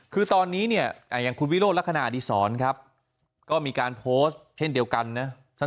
คือตอนนี้เนี่ยอย่างคุณวิโรธลักษณะอดีศรครับก็มีการโพสต์เช่นเดียวกันนะ